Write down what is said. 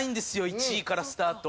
１位からスタート。